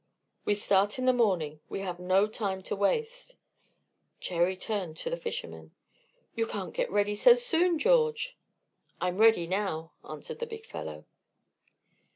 '" "We start in the morning. We have no time to waste." Cherry turned to the fisherman. "You can't get ready so soon, George." "I'm ready now," answered the big fellow.